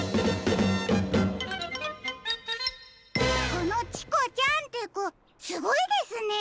このチコちゃんってコすごいですねー。